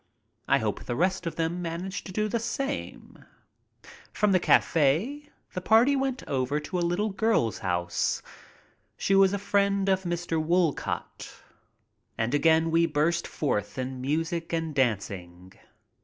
I hope the rest of them managed to do the same thing. From the cafe the party went over to a little girl's house — she was a friend of Mr. Woolcott — and again we burst forth in music and dancing.